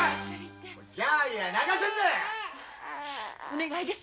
お願い。